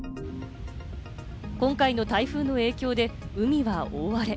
今回の台風の影響で海は大荒れ。